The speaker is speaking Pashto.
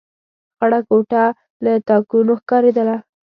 خړه کوټه له تاکونو ښکارېدله.